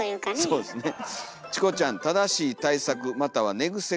そうですね。